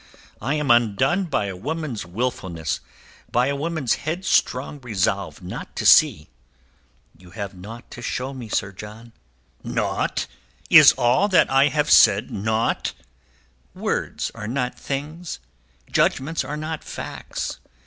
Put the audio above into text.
"I am undone by a woman's wilfulness, by a woman's headstrong resolve not to see." "You have naught to show me, Sir John." "Naught? Is all that I have said naught?" "Words are not things; judgments are not facts.